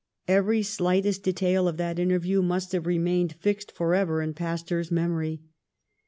Every slightest de tail of that interview must have remained fixed forever in Pasteur's memory.